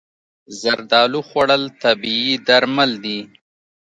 زردالو خوړل طبیعي درمل دي.